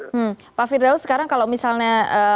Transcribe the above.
hmm pak firdaus sekarang kalau misalnya